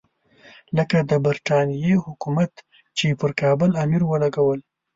لکه د برټانیې حکومت چې پر کابل امیر ولګول.